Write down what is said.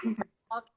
terima kasih mbak